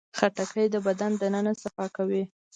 خټکی د بدن دننه صفا کوي.